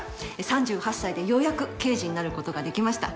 ３８歳でようやく刑事になることができました。